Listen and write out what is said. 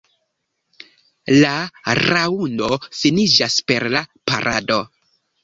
La raŭndo finiĝas per la parado.